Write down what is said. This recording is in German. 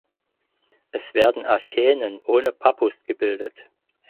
Es werden Achänen ohne Pappus gebildet.